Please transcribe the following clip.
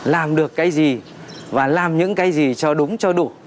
làm được cái gì và làm những cái gì cho đúng cho đủ